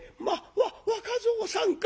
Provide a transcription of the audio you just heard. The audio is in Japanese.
わっ若蔵さんか！